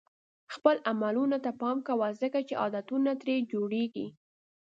خپلو عملونو ته پام کوه ځکه چې عادتونه ترې جوړېږي.